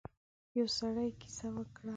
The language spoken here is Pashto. يو سړی کيسه وکړه.